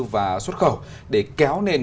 và xuất khẩu để kéo nền